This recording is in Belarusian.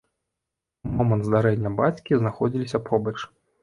У момант здарэння бацькі знаходзіліся побач.